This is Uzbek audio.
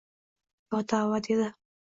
«Yo tavba! — dedi